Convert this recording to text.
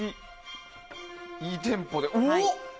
いいテンポで。